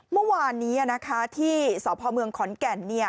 เมื่อวานนี้ที่สพเมืองขอนแก่น